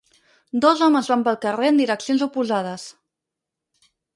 Dos homes van pel carrer en direccions oposades.